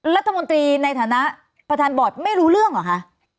รัฐมนตรีในฐานะประธานบอร์ดไม่รู้เรื่องเหรอคะ